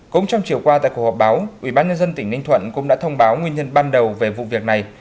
cũng trong chiều qua tại cuộc họp báo ubnd tỉnh ninh thuận cũng đã thông báo nguyên nhân ban đầu về vụ việc này